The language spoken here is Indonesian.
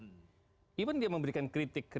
meskipun dia memberikan kritik